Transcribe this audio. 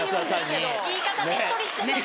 言い方ねっとりしてたな。